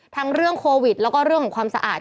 เรื่องโควิดแล้วก็เรื่องของความสะอาด